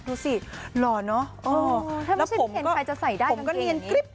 ดูสิหล่อเนอะอ๋อแล้วผมก็ใครจะใส่ได้กางเกงแบบนี้ผมก็เนียนกริ๊บ